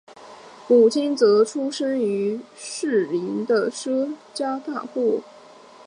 母亲则出身于士林的施家大户。